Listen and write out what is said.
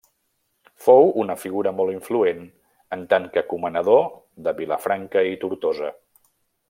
Fou una figura molt influent en tant que comanador de Vilafranca i Tortosa.